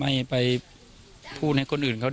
แล้วอันนี้ก็เปิดแล้ว